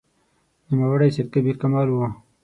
نوموړی سید کبیر کمال و.